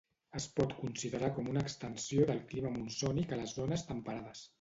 Es pot considerar com a una extensió del clima monsònic a les zones temperades.